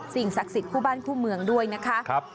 สิ่งศักดิ์สิทธิ์คู่บ้านคู่เมืองด้วยนะคะ